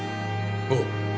おう。